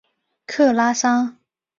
克拉桑。